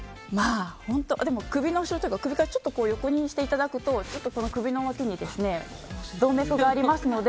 でも首の後ろというか首から少し横にしていただくと首の脇に動脈がありますので。